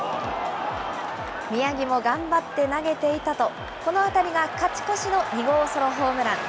宮城も頑張って投げていたと、この当たりが勝ち越しの２号ソロホームラン。